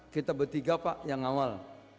kita bertiga pak yang awal